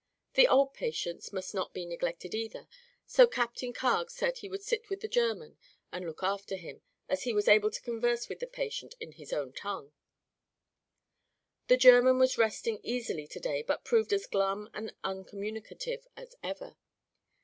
The old patients must not be neglected, either, so Captain Carg said he would sit with the German and look after him, as he was able to converse with the patient in his own tongue. The German was resting easily to day but proved as glum and uncommunicative as ever.